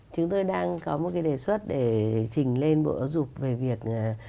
chúng tôi đang có một cái đề xuất để trình lên bộ giúp về việc